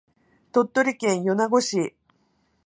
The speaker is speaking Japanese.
鳥取県米子市